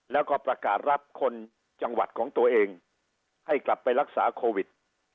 แล้วก็ประกาศรับคนจังหวัดของตัวเองให้กลับไปรักษาโควิด